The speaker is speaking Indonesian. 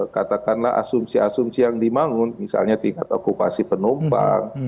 katakanlah asumsi asumsi yang dibangun misalnya tingkat okupasi penumpang